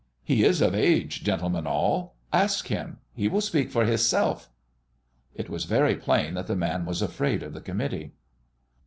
He is of age, gentlemen all; ask him. He will speak for hisself." It was very plain that the man was afraid of the committee. Dr.